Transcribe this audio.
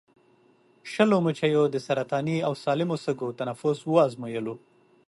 شلو مچیو د سرطاني او سالمو سږو تنفس وازمویلو.